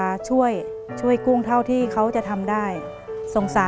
เปลี่ยนเพลงเพลงเก่งของคุณและข้ามผิดได้๑คำ